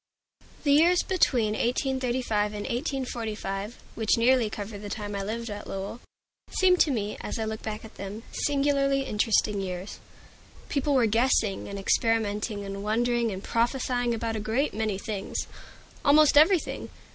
THE years between 1835 and 1845, which nearly cover the time I lived at Lowell, seem to me, as I look back at them, singularly interesting years. People were guessing and experimenting and wondering and prophesying about a great many things, about almost everything.